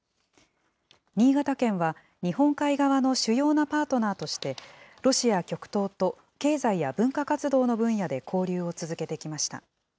新潟県は、日本海側の主要なパートナーとして、ロシア極東と経済や文化活動の分野で交流を続けてきました。